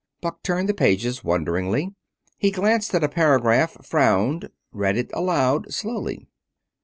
Buck turned the pages wonderingly. He glanced at a paragraph, frowned, read it aloud, slowly.